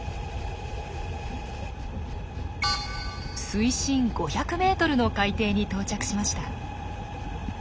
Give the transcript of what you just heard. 水深５００ｍの海底に到着しました。